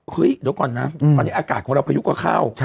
เดี๋ยวก่อนนะตอนนี้อากาศของเราพายุก็เข้า